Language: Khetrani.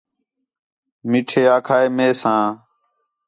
مٹھے آکھا ہے مئے ساں